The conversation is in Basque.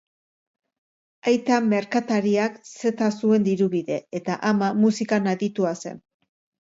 Aita merkatariak zeta zuen diru-bide, eta ama musikan aditua zen.